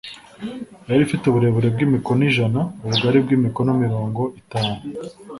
yari ifite uburebure bw ‘imikono ijana, ubugari bw’ imikono mirongo itanu.